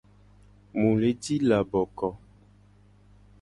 Mu le ji laboko.